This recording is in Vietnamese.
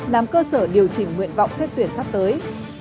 làm cơ sở điều chỉnh nguyện vọng xét tuyển sắp tới